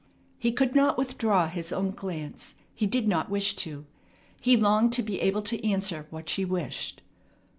He could not withdraw his own glance. He did not wish to. He longed to be able to answer what she wished.